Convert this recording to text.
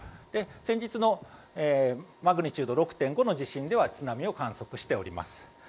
先日のマグニチュード６．５の地震では津波を観測しております。